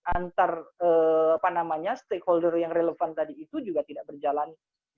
antar stakeholder yang relevan tadi itu juga tidak berjalan